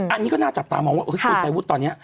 อันนี้ก็น่าจับตามองว่าคุณชายวุฒิตอนนี้